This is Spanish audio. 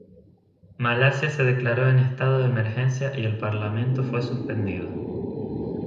Malasia se declaró en estado de emergencia y el Parlamento fue suspendido.